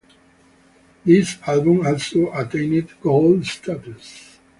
This album also attained gold status.